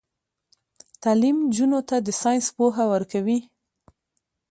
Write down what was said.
تعلیم نجونو ته د ساينس پوهه ورکوي.